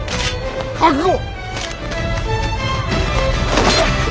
覚悟！